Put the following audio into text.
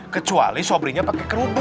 kecuali sobrinya pakai kerudu